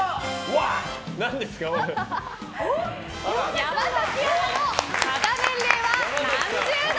山崎アナの肌年齢は何十代？